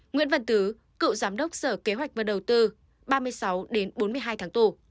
nguyễn văn tứ cựu giám đốc sở kế hoạch và đầu tư ba mươi sáu đến bốn mươi hai tháng tù